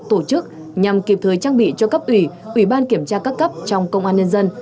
tổ chức nhằm kịp thời trang bị cho cấp ủy ủy ban kiểm tra các cấp trong công an nhân dân